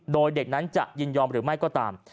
โดยเด็กนั้นจะยินยอมหรือไม่ก็ตาม